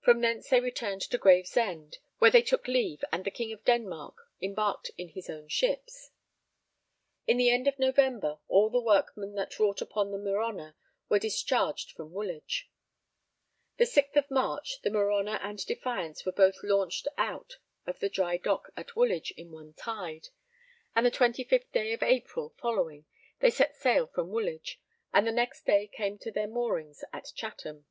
From thence they returned to Gravesend, where they took leave and the King of Denmark embarked in his own ships. In the end of November, all the workmen that wrought upon the Merhonor were discharged from Woolwich. The 6th of March, the Merhonor and Defiance were both launched out of the dry dock at Woolwich in one tide, and the 25th day of April following they set sail from Woolwich, and the next day came to their moorings at Chatham.